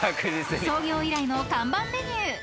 ［創業以来の看板メニュー］